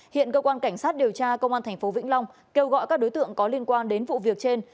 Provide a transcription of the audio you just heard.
hiện cơ quan cảnh sát điều tra công an tp vĩnh long kêu gọi các đối tượng có liên quan đến vụ việc trên